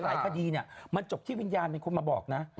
หลายคดีเนี่ยมันจบที่วิญญาณเป็นคนมาบอกนะ